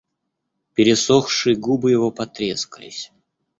Пересохшие губы его потрескались.